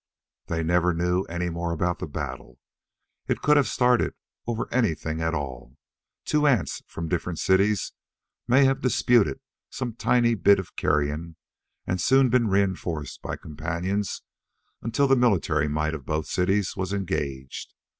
They never knew any more about the battle. It could have started over anything at all two ants from the different cities may have disputed some tiny bit of carrion and soon been reinforced by companions until the military might of both cities was engaged.